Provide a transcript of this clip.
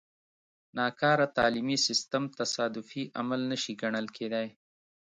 ناکاره تعلیمي سیستم تصادفي عمل نه شي ګڼل کېدای.